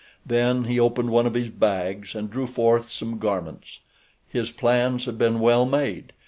Then he opened one of his bags and drew forth some garments. His plans had been well made.